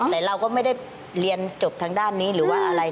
แต่เราก็ไม่ได้เรียนจบทางด้านนี้หรือว่าอะไร